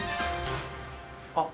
あっ